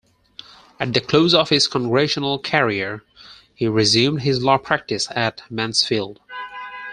At the close of his Congressional career, he resumed his law practice at Mansfield.